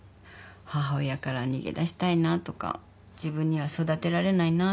母親から逃げだしたいなとか自分には育てられないなとか。